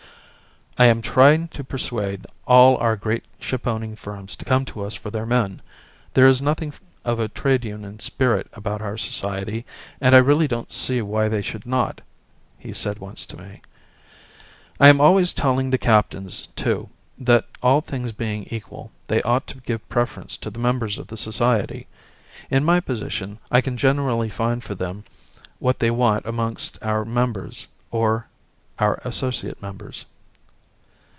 "I am trying to persuade all our great ship owning firms to come to us for their men. There is nothing of a trade union spirit about our society, and I really don't see why they should not," he said once to me. "I am always telling the captains, too, that all things being equal they ought to give preference to the members of the society. In my position I can generally find for them what they want amongst our members or our associate members."